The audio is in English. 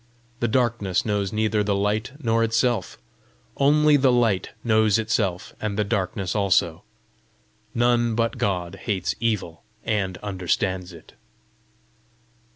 The darkness knows neither the light nor itself; only the light knows itself and the darkness also. None but God hates evil and understands it.